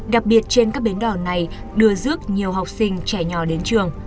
đặc biệt trên các bến đò này đưa dước nhiều học sinh trẻ nhỏ đến trường